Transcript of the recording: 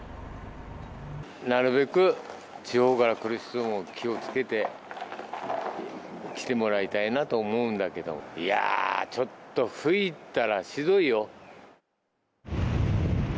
なるべく地方から来る人は気をつけて来てもらいたいなと思うんだけど、いやー、ちょっと吹いたらひどいよ。